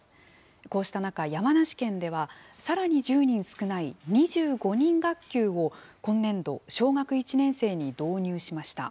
こうした中、山梨県では、さらに１０人少ない２５人学級を今年度、小学１年生に導入しました。